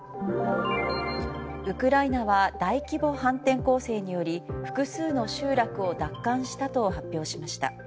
ウクライナは大規模反転攻勢により複数の集落を奪還したと発表しました。